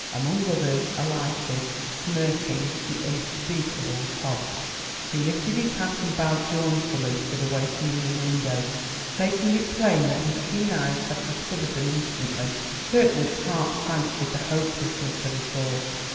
Among others, alighted, smirking, the unspeakable Hobbs. He lifted his hat and bowed jauntily to the waiting room window, making it plain that his keen eyes had discovered them instantly. Kirkwood's heart sank with the hopelessness of it all.